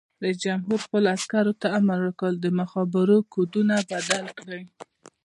رئیس جمهور خپلو عسکرو ته امر وکړ؛ د مخابرو کوډونه بدل کړئ!